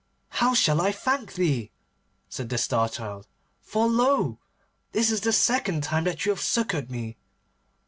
'How shall I thank thee?' said the Star Child, 'for lo! this is the second time that you have succoured me.